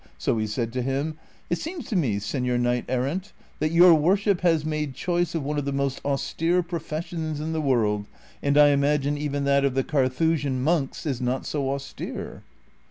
So he said to him, '■ It seems to me, Senor Knight errant, that your worshi}) has made choice of one of the most austere professions in the world, and 1 imagine even that of the Carthusian monks is not so austere."